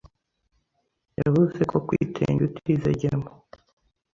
yevuze ko kwitenge utizegem